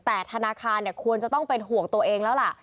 แต่ธนาคารควรจะต้องเป็นห่วงตัวเองแล้วล่ะ